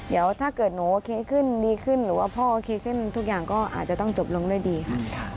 เดี๋ยวถ้าเกิดหนูโอเคขึ้นดีขึ้นหรือว่าพ่อโอเคขึ้นทุกอย่างก็อาจจะต้องจบลงด้วยดีค่ะ